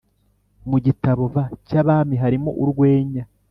mu Gitabo v cy Abami harimo urwenya